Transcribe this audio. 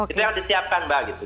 itu yang harus disiapkan mbak gitu